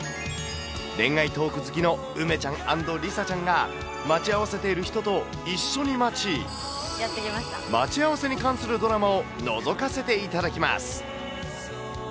恋愛トーク好きの梅ちゃん＆梨紗ちゃんが、待ち合わせている人と一緒に待ち、待ち合わせに関するドラマをのぞかせていただきます。